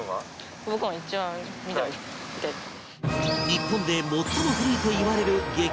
日本で最も古いといわれる激